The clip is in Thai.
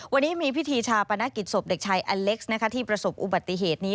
วันนี้มีพิธีชาปนกิจศพเด็กชายอเล็กซ์ที่ประสบอุบัติเหตุนี้